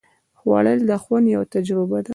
خوړل د خوند یوه تجربه ده